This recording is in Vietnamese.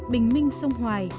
bình minh sông hoài